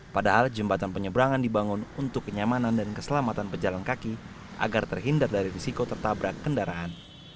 padahal jembatan penyeberangan dibangun untuk kenyamanan dan keselamatan pejalan kaki agar terhindar dari risiko tertabrak kendaraan